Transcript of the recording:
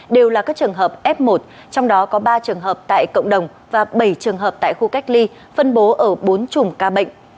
đều là các trường hợp f một trong đó có ba trường hợp tại cộng đồng và bảy trường hợp tại khu cách ly phân bố ở bốn chùm ca bệnh